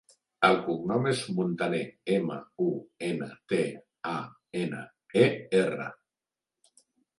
El cognom és Muntaner: ema, u, ena, te, a, ena, e, erra.